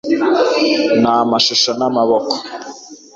ni amashusho namaboko